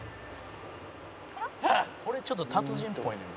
「これちょっと達人っぽいね」